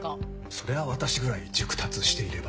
そりゃあ私ぐらい熟達していれば。